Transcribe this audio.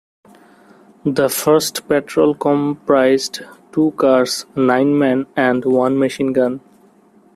The first patrol comprised two cars, nine men, and one machine gun.